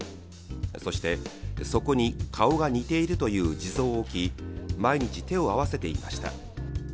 そして、そこに、顔が似ているという地蔵を置き毎日、手を合わせていました。